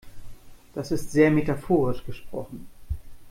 Das ist sehr metaphorisch gesprochen.